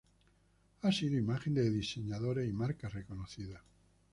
Ha sido imagen de diseñadores y marcas reconocidas.